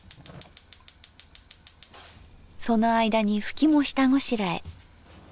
その間にふきも下ごしらえ。